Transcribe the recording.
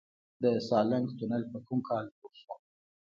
د سالنګ تونل په کوم کال جوړ شو؟